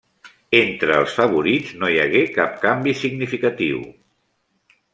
Entre els favorits no hi hagué cap canvi significatiu.